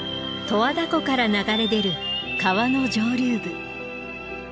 十和田湖から流れ出る川の上流部。